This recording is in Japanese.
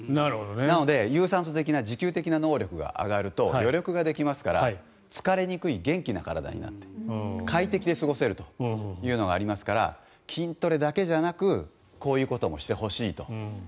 なので有酸素的な持久的な能力が上がると余力ができますから疲れにくい元気な体になって快適に過ごせるというのがありますから筋トレだけじゃなくこういうこともしてほしいと。